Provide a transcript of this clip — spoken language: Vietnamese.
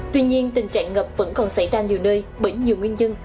tuy nhiên tình trạng ngập vẫn còn xảy ra nhiều nơi bởi nhiều nguyên nhân